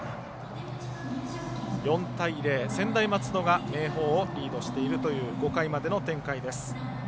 ４対０、専大松戸が明豊をリードしているという５回までの展開です。